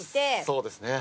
そうですね。